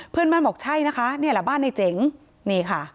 เพื่อนบ้านบอกใช่นะคะนี่แหละบ้านในเจ๋งนี่ค่ะ